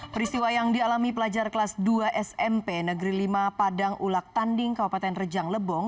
peristiwa yang dialami pelajar kelas dua smp negeri lima padang ulak tanding kabupaten rejang lebong